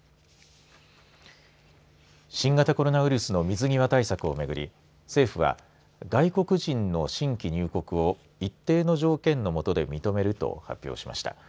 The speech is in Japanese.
新型コロナウイルスの水際対策をめぐり政府は外国人の新規入国を一定の条件のもとで認めると発表しました。